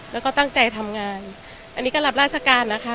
แล้วก็ตั้งใจทำงานอันนี้ก็รับราชการนะคะ